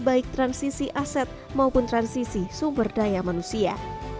baik transisi aset maupun transisi sumber daya manusia